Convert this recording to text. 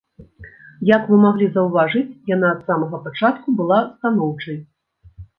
Як вы маглі заўважыць, яна ад самага пачатку была станоўчай.